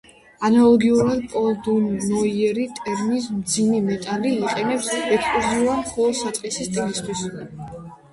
ანალოგიურად, პოლ დუ ნოიერი ტერმინს „მძიმე მეტალი“ იყენებს ექსკლუზიურად მხოლოდ საწყისი სტილისთვის.